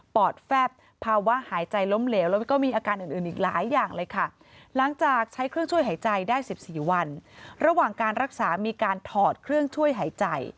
ปอดแฟบภาวะหายใจล้มเหลวแล้วก็มีอาการอื่นอีกหลายอย่างเลยค่ะ